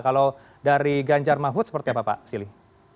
kalau dari ganjar mahfud seperti apa pak silih